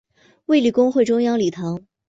卫理公会中央礼堂。